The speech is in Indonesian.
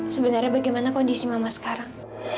sebenarnya bagaimana kondisi mama sekarang